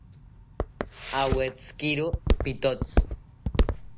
Awetzikiro pitotzi